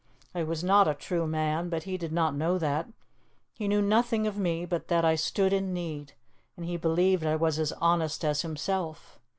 I was not a true man, but he did not know that; he knew nothing of me but that I stood in need, and he believed I was as honest as himself.